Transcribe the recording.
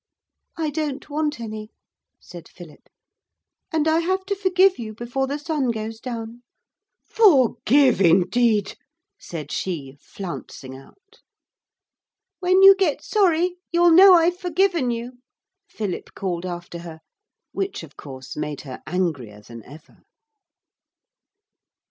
'I don't want any,' said Philip, 'and I have to forgive you before the sun goes down.' 'Forgive, indeed!' said she, flouncing out. 'When you get sorry you'll know I've forgiven you,' Philip called after her, which, of course, made her angrier than ever.